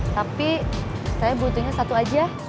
tapi saya butuhnya satu aja